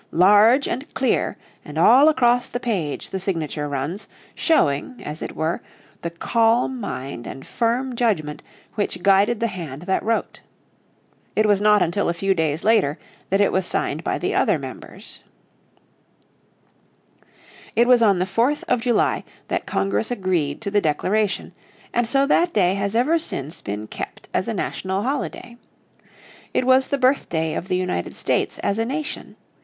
Large, and clear, and all across the page the signature runs, showing, as it were, the calm mind and firm judgment which guided the hand that wrote. It was not until a few days later that it was signed by the other members. It was on the 4th of July that Congress agreed to the declaration, and so that day has ever since been kept as a national holiday. It was the birthday of the United States as a Nation.